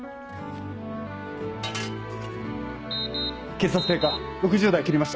血圧低下６０台を切りました。